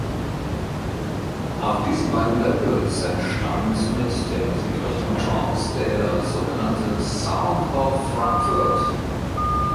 Auf diesen beiden Labels entstand mit der Musikrichtung Trance der sogenannte "Sound of Frankfurt".